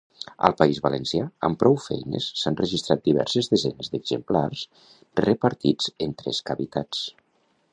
Al País Valencià, amb prou feines s'han registrat diverses desenes d'exemplars repartits en tres cavitats.